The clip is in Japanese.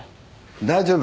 大丈夫。